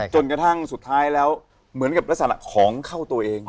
จนกระทั่งสุดท้ายแล้วเหมือนกับลักษณะของเข้าตัวเอง